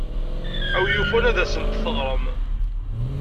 A win yufan ad asent-teɣrem.